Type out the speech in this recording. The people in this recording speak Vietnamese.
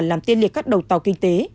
làm tiên liệt các đầu tàu kinh tế